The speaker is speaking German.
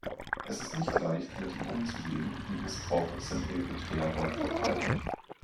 Es ist nicht leicht, mit ihm umzugehen, und Missbrauch ist in Eritrea weitverbreitet.